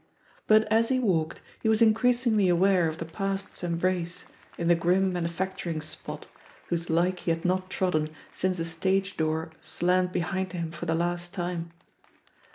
But as he walked, he was increasingly aware of the past's embrace in the grim manufacturing spot whose like he had not trodden since a stage door slammed behind him for the last time.